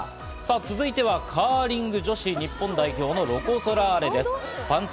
続いてはカーリング女子日本代表のロコ・ソラーレです。